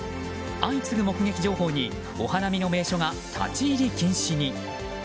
相次ぐ目撃情報にお花見の名所が立ち入り禁止に。